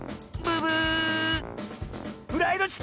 ブブー！